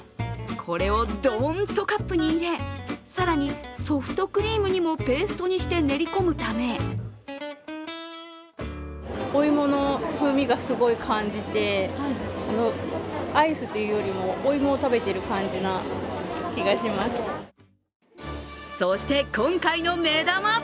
これをドン！とカップに入れ更にソフトクリームにもペーストにして練り込むためそして今回の目玉。